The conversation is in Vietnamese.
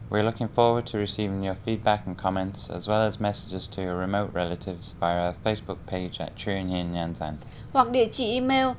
xin kính chào và hẹn gặp lại quý vị trong các chương trình tiếp theo